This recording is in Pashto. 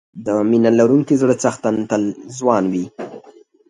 د مینه لرونکي زړه څښتن تل ځوان وي.